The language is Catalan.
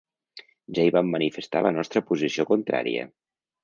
Ja hi vam manifestar la nostra posició contrària.